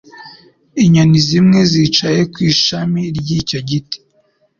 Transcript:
Inyoni zimwe zicaye ku ishami ryicyo giti.